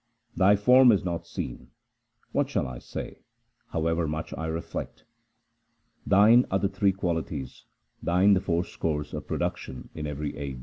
Thy form is not seen : what shall I say, however much I reflect ? Thine are the three qualities, Thine the four sources of production in every age.